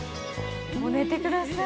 もう寝てください。